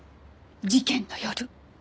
事件の夜。